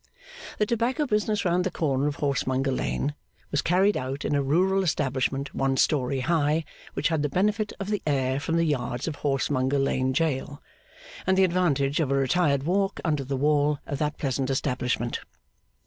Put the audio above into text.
The tobacco business round the corner of Horsemonger Lane was carried out in a rural establishment one story high, which had the benefit of the air from the yards of Horsemonger Lane jail, and the advantage of a retired walk under the wall of that pleasant establishment.